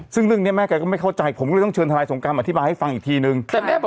ซึ่งเรื่องนี้แม่แกก็ไม่เข้าใจผมก็เลยต้องเชิญทนายสงการอธิบายให้ฟังอีกทีนึง